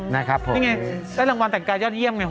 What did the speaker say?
นี่ไงได้รางวัลแต่งกายยอดเยี่ยมไง